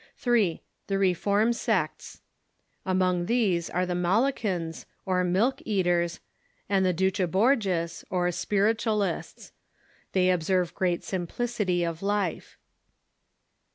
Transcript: (3.) The reform sects. Among these are the Malakans, or milk eaters, and the Duchoborges, or spiritualists. They ob serve great simplicity of life.